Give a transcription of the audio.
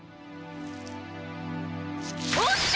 おっしゃ！